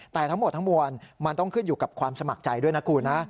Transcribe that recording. แต่ทั้งหมดทั้งมวลมันต้องขึ้นอยู่กับความสมัครใจด้วยนะคุณนะ